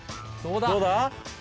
どうだ？